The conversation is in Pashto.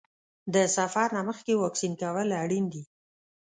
د سفر نه مخکې واکسین کول اړین دي.